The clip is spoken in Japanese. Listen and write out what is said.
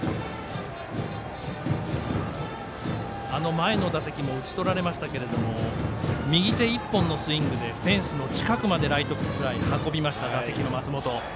前の打席も打ち取られましたけど右手一本のスイングでフェンスの近くまでライトフライ運びました、打席の松本。